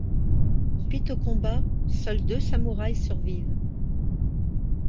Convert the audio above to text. Suite au combat, seuls deux samouraï survivent.